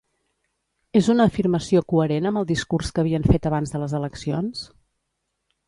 És una afirmació coherent amb el discurs que havien fet abans de les eleccions?